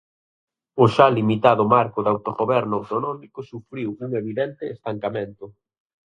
O xa limitado marco de autogoberno autonómico sufriu un evidente estancamento.